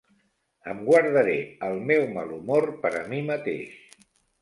Em guardaré el meu malhumor per a mi mateix.